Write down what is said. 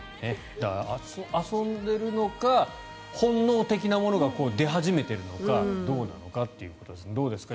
だから、遊んでいるのか本能的なものなのが出始めているのかどうなのかということですがどうですか？